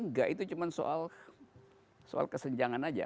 enggak itu cuma soal kesenjangan aja